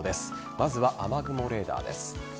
まずは雨雲レーダーです。